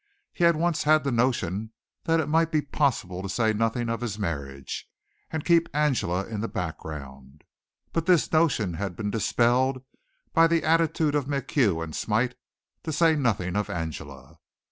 He had once had the notion that it might be possible to say nothing of his marriage, and keep Angela in the background, but this notion had been dispelled by the attitude of MacHugh and Smite, to say nothing of Angela.